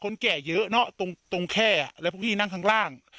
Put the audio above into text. แก่เยอะเนอะตรงแค่แล้วพวกพี่นั่งข้างล่าง